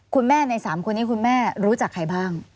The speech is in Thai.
ใน๓คนนี้คุณแม่รู้จักใครบ้าง